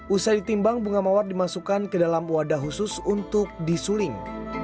usai ditimbang bunga mawar dimasukkan ke dalam wadah khusus untuk disuling